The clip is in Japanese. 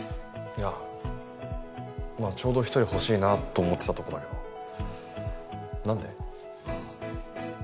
いやまあちょうど一人欲しいなと思ってたところだけどなんで？